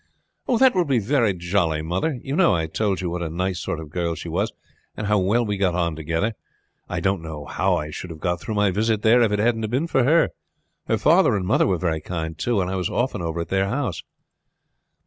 "That will be very jolly, mother. You know I told you what a nice sort of girl she was, and how well we got on together. I don't know how I should have got through my visit there if it hadn't been for her. Her father and mother were very kind too, and I was often over at their house."